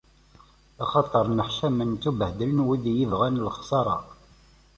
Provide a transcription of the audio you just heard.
Axaṭer nneḥcamen, ttubhedlen, wid i iyi-ibɣan lexṣara.